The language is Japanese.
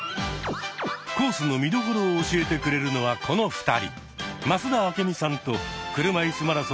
コースの見どころを教えてくれるのはこの２人。